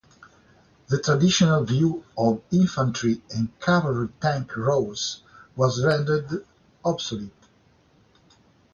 The traditional view of infantry and cavalry tank roles was rendered obsolete.